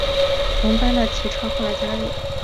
同班的吉川后来加入。